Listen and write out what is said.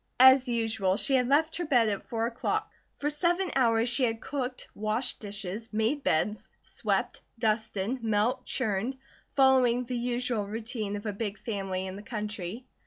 As usual, she had left her bed at four o'clock; for seven hours she had cooked, washed dishes, made beds, swept, dusted, milked, churned, following the usual routine of a big family in the country.